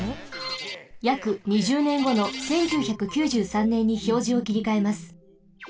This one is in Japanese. やく２０ねんごの１９９３ねんにひょうじをきりかえます。